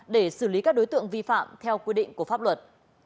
để xử lý các đối tượng vi phạm theo quy định của pháp luật